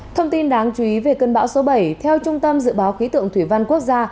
thông tin đáng chú ý về cơn bão số bảy theo trung tâm dự báo khí tượng thủy văn quốc gia